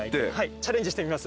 チャレンジしてみます？